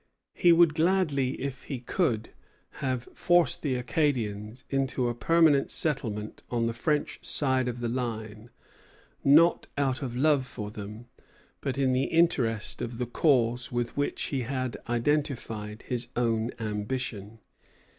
He would gladly, if he could, have forced the Acadians into a permanent settlement on the French side of the line, not out of love for them, but in the interest of the cause with which he had identified his own ambition.